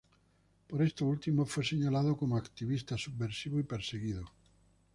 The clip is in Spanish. Por esto último, fue señalado como "activista subversivo" y perseguido.